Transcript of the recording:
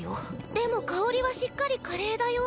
でも香りはしっかりカレーだよ。